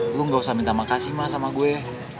lo gak usah minta makasih ma sama gue